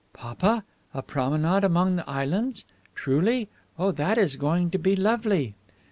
"Papa! A promenade among the islands? Truly? Oh, that is going to be lovely!"